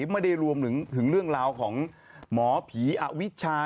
ไม่ได้รวมถึงเรื่องราวของหมอผีอวิชา